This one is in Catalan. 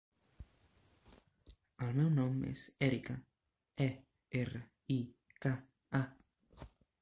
El meu nom és Erika: e, erra, i, ca, a.